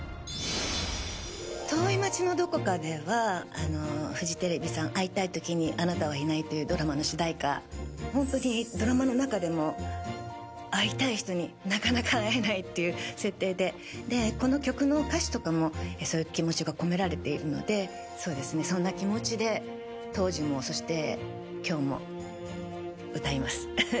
「遠い街のどこかで」はフジテレビさん「逢いたい時にあなたはいない」というドラマの主題歌ドラマの中でも会いたい人になかなか会えないという設定でこの曲の歌詞とかもそういう気持ちが込められているのでそんな気持ちで当時も、そして今日も歌います。